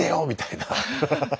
みたいな。